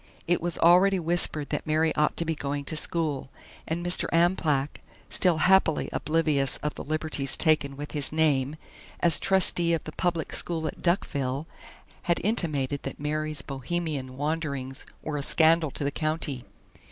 It was already whispered that Mary ought to be going to school, and Mr. Amplach still happily oblivious of the liberties taken with his name as trustee of the public school at Duckville, had intimated that Mary's bohemian wanderings were a scandal to the county.